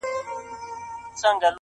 پوهه د پرمختللي ژوند بنسټ دی؛